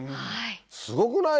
すごくない？